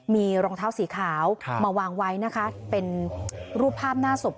มีรองเท้าสีขาวมาวางไว้นะคะเป็นรูปภาพหน้าศพ